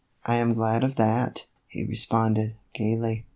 "I am glad of that," he responded, gayly.